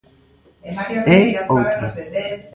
É outra.